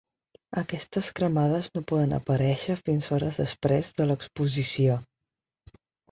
Aquestes cremades poden no aparèixer fins hores després de l'exposició.